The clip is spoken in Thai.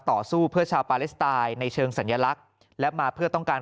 ต่อสู้เพื่อชาวปาเลสไตน์ในเชิงสัญลักษณ์และมาเพื่อต้องการ